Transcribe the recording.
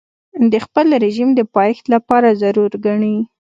د خپل رژیم د پایښت لپاره ضرور ګڼي.